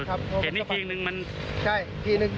ไขกันนี้จริงหนึ่ง